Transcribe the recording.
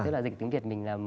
tức là dịch tiếng việt mình là